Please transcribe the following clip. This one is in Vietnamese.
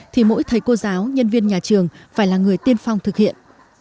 thì mỗi thầy cô giáo nhân viên nhà trường phải là người tiên phong thực hiện